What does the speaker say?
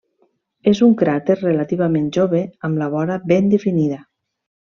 És un cràter relativament jove amb la vora ben definida.